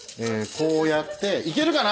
こうやっていけるかな。